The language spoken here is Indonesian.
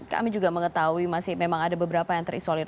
kami juga mengetahui masih memang ada beberapa yang terisolir